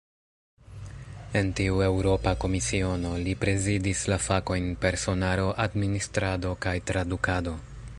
En tiu Eŭropa Komisiono, li prezidis la fakojn "personaro, administrado kaj tradukado".